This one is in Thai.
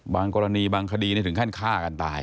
กรณีบางคดีถึงขั้นฆ่ากันตาย